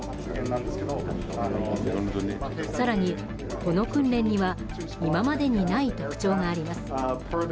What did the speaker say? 更に、この訓練には今までにない特徴があります。